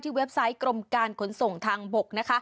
เว็บไซต์กรมการขนส่งทางบก